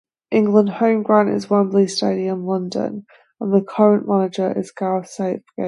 England's home ground is Wembley Stadium, London, and the current manager is Gareth Southgate.